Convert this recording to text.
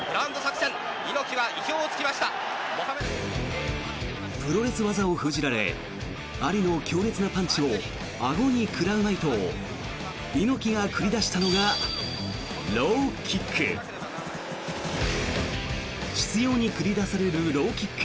プロレス技を封じられアリの強烈なパンチをあごに食らうまいと猪木が繰り出したのがローキック。